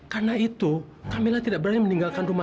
karena itu kamilah tidak berani meninggalkan rumah